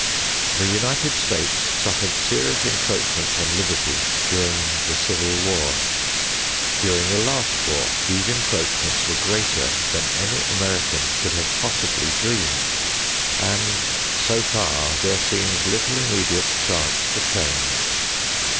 The United States suffered serious encroachments on liberty during the Civil War. During the last war, these encroachments were greater than any American could have possibly dreamed; and so far there seems little immediate chance for change.